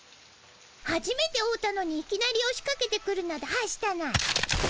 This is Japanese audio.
はじめて会うたのにいきなりおしかけてくるなどはしたない。